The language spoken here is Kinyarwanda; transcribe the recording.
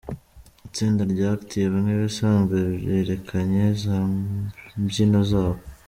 Itsinda rya Active nk’ ibisanzwe berekanye za mbyino zabo